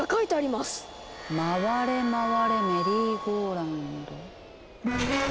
「まわれまわれメリーゴーラウンド」。